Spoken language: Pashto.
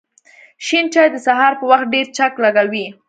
شین چای د سهار په وخت ډېر چک لږوی